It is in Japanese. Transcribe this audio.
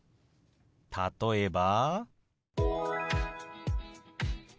例えば。